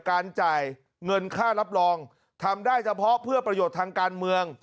การจ่ายเงินค่ารับรองทำได้เฉพาะเพื่อประโยชน์ทางการเมือง